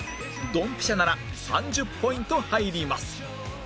ドンピシャなら３０ポイント入ります